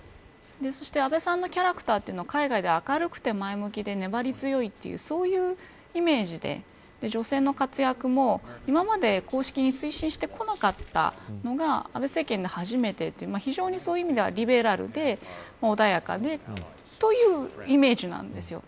そして安倍さんのキャラクターというのは海外では明るくて前向きで粘り強いというそういうイメージで女性の活躍も、今まで公式に推進してこなかったのが安倍政権で初めてで非常に、そういう意味ではリベラルで、穏やかでというイメージなんですよ。